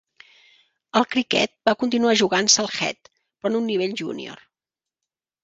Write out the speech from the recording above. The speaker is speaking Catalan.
El criquet va continuar jugant-se al "Heath", però en un nivell junior.